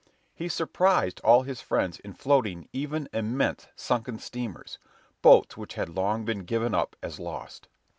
He surprised all his friends in floating even immense sunken steamers boats which had long been given up as lost.